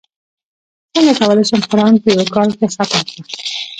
څنګه کولی شم قران په یوه کال کې ختم کړم